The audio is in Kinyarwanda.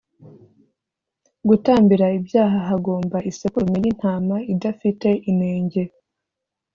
gutambira ibyaha hagomba isekurume y intama idafite inenge